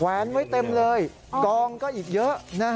แวนไว้เต็มเลยกองก็อีกเยอะ